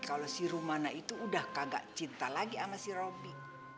kalau si rumana itu udah kagak cinta lagi sama si roby